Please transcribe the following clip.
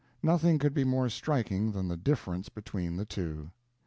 Nothing could be more striking than the difference between the two.